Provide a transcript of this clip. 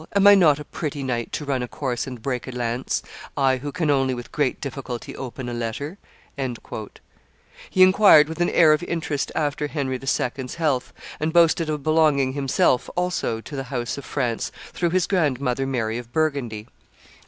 Am I not a pretty knight to run a course and break a lance, I who can only with great difficulty open a letter?" He inquired with an air of interest after Henry II.'s health, and boasted of belonging himself, also, to the house of France through his grandmother Mary of Burgundy.